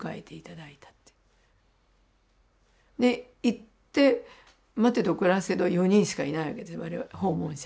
行って待てど暮らせど４人しかいないわけです訪問者は。